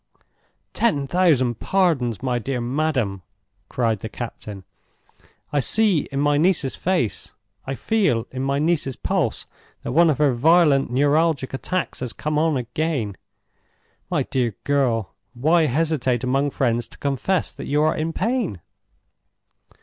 "Ten thousand pardons, my dear madam!" cried the captain. "I see in my niece's face, I feel in my niece's pulse, that one of her violent neuralgic attacks has come on again. My dear girl, why hesitate among friends to confess that you are in pain?